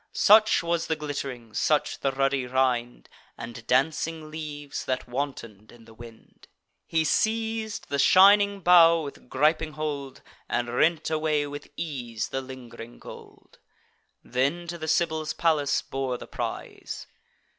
Such was the glitt'ring; such the ruddy rind, And dancing leaves, that wanton'd in the wind. He seiz'd the shining bough with griping hold, And rent away, with ease, the ling'ring gold; Then to the Sibyl's palace bore the prize.